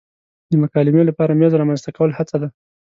د مکالمې لپاره میز رامنځته کول هڅه ده.